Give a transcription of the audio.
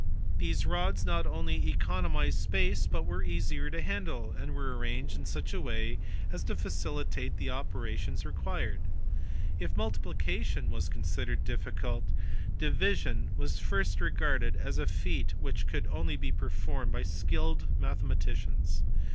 These rods not only economized space, but were easier to handle, and were arranged in such a way as to facilitate the operations required. If multiplication was considered difficult, division was at first regarded as a feat which could be performed only by skilled mathematicians.